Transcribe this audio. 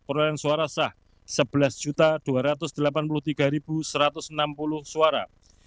perolehan suara sah sebelas dua ratus delapan puluh tiga satu ratus enam puluh suara